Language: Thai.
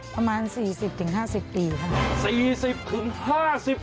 ประมาณ๔๐๕๐ปีครับ